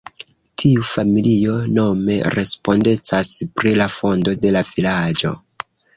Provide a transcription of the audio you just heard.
Tiu familio nome respondecas pri la fondo de la vilaĝo.